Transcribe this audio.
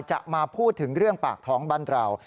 จะมาพูดถึงเรื่องปากท้องบ้านเรา